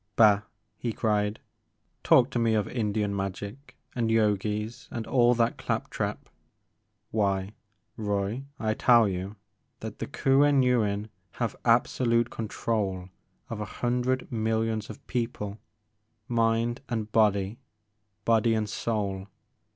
Bah !" he cried, '* talk to me of Indian magic and Yogis and all that clap trap ! Why, Roy, I tell you that the Kuen Yuin have absolute control of a hundred millions of people, mind and body, body and soul.